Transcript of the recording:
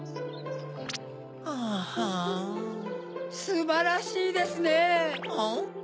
・すばらしいですね！